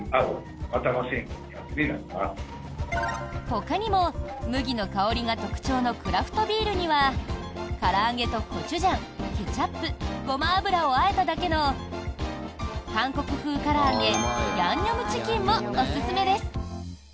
ほかにも麦の香りが特徴のクラフトビールにはから揚げとコチュジャンケチャップ、ごま油をあえただけの韓国風から揚げヤンニョムチキンもおすすめです。